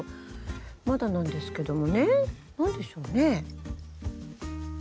まだなんですけどもね。何でしょうね。